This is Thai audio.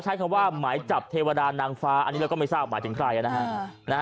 ใช้คำว่าหมายจับเทวดานางฟ้าอันนี้เราก็ไม่ทราบหมายถึงใครนะฮะ